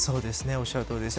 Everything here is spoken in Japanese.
おっしゃるとおりです。